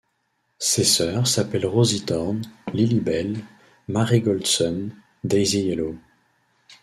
Ses sœurs s'appellent Rosie Thorn, Lily Belle, Marigold Sun, Daisy Yellow.